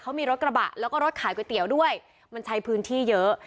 เขามีรถกระบะแล้วก็รถขายก๋วยเตี๋ยวด้วยมันใช้พื้นที่เยอะ